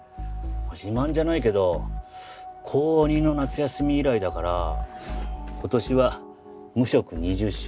自慢じゃないけど高２の夏休み以来だから今年は無職２０周年。